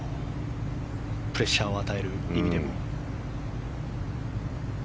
プレッシャーを与える意味でも。